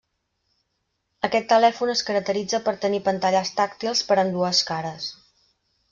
Aquest telèfon es caracteritza per tenir pantalles tàctils per ambdues cares.